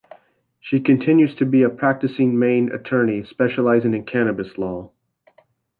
She continues to be a practicing Maine attorney, specializing in cannabis law.